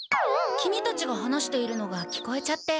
キミたちが話しているのが聞こえちゃって。